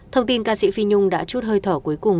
thông tin ca sĩ phi nhung đã chút hơi thở cuối cùng